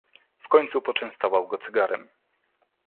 "W końcu poczęstował go cygarem."